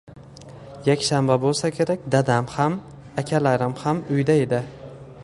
Yakshanba bo‘lsa kerak, dadam ham, akalarim ham uyda edi.